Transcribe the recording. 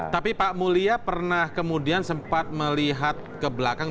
tapi pak mulia pernah kemudian sempat melihat ke belakang